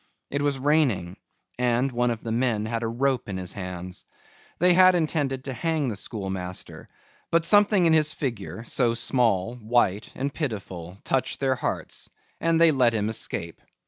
It was raining and one of the men had a rope in his hands. They had intended to hang the school master, but something in his figure, so small, white, and pitiful, touched their hearts and they let him escape.